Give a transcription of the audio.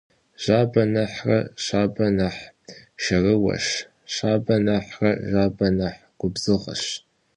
Жьабэ нэхърэ шабэ нэхъ шэрыуэщ, шабэ нэхърэ жьабэ нэхъ губзыгъэщ.